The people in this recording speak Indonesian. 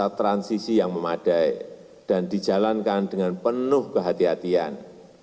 masa transisi yang memadai dan dijalankan dengan penuh kehatian